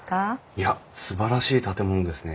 いやすばらしい建物ですね。